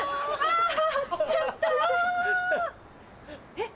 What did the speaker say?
えっ？